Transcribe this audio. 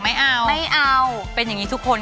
แม่บ้านประจันบัน